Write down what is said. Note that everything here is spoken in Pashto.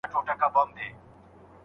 ټولنیز متقابل عمل ډېر مهم دی.